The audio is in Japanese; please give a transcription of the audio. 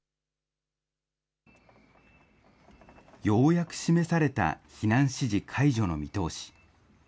ようやく示された避難指示解除の見通し。